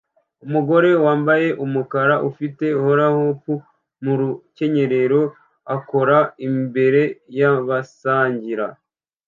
Umugore wambaye umukara ufite hula hop mu rukenyerero akora imbere yabasangira